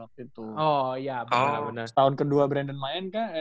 oh iya bener bener